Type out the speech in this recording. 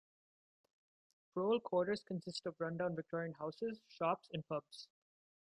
Prole quarters consist of rundown Victorian houses, shops and pubs.